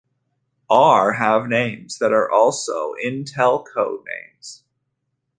R have names that are also Intel codenames.